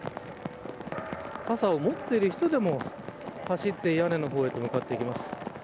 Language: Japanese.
傘を持っている人でも走って屋根の方へと向かっていきます。